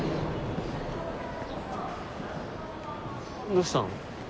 どうしたの？